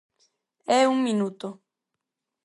É un minuto.